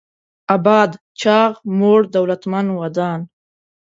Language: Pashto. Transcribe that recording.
اباد: چاغ، موړ، دولتمن، ودان